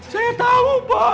saya tahu pak